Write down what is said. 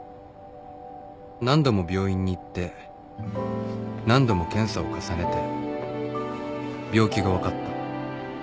何度も病院に行って何度も検査を重ねて病気が分かった